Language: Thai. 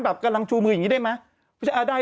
กำลังชูมืออย่างนี้ได้ไหม